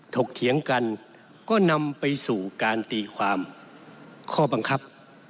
ถียงกันก็นำไปสู่การตีความข้อบังคับ